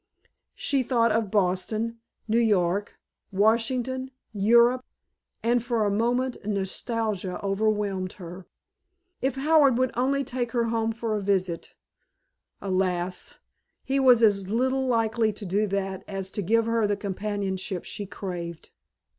She thought of Boston, New York, Washington, Europe, and for a moment nostalgia overwhelmed her. If Howard would only take her home for a visit! Alas! he was as little likely to do that as to give her the companionship she craved.